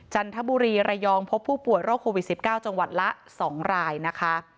จันทบุรีระยองพบผู้ป่วยโรคโควิด๑๙จังหวัดละ๒รายนะคะ